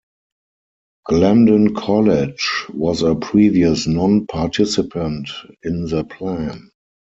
Glendon College was a previous non-participant in the plan.